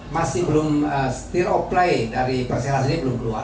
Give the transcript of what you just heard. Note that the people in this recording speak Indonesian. masih belum setir oplei dari persela sendiri belum keluar